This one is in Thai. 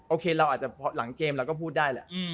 โอเคหลังเกมเราก็พูดได้แหละ